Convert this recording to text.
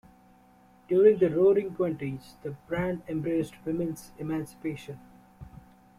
During the Roaring Twenties, the brand embraced women's emancipation.